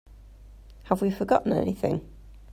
Have we forgotten anything?